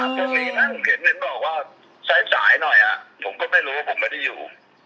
พรุ่งนี้นั่งเห็นหนึ่งบอกว่าสายสายหน่อยอ่ะผมก็ไม่รู้ว่าผมไม่ได้อยู่